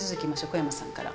小山さんから。